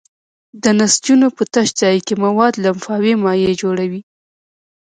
د نسجونو په تش ځای کې مواد لمفاوي مایع جوړوي.